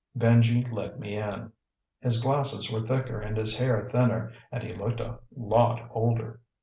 Benji let me in. His glasses were thicker and his hair thinner and he looked a lot older.